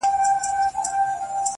د ابوجهل د غرور په اجاره ختلی٫